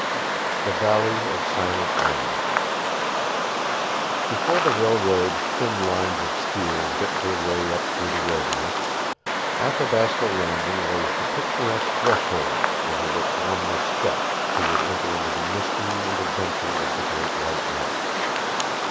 THE VALLEY OF SILENT MEN Before the railroad's thin lines of steel bit their way up through the wilderness, Athabasca Landing was the picturesque threshold over which one must step who would enter into the mystery and adventure of the great white North.